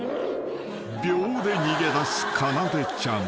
［秒で逃げ出すかなでちゃん］